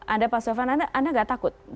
anda tidak takut